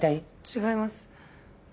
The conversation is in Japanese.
違います。